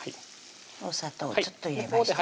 お砂糖ちょっと入れましてね